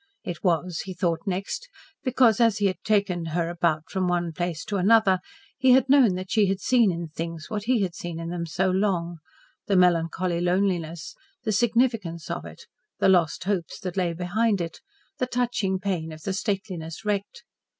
It was, he thought next, because as he had taken her about from one place to another he had known that she had seen in things what he had seen in them so long the melancholy loneliness, the significance of it, the lost hopes that lay behind it, the touching pain of the stateliness wrecked.